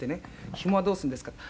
“ひもはどうするんですか？”」